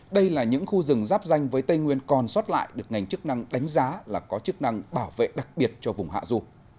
đây là những khu rừng giáp danh với tây nguyên còn xót lại được ngành chức năng đánh giá là có chức năng bảo vệ đặc biệt cho vùng hạ du